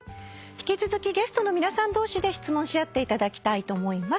引き続きゲストの皆さん同士で質問し合っていただきたいと思います。